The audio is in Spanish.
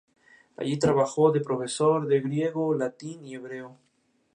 Él simplemente los ignoró viendo en ellos únicamente alimento y partió.